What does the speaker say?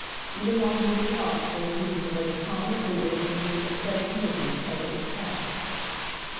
Even while he was at Oxford he was the most prominent leader in the new "aesthetic" movement, as it was called.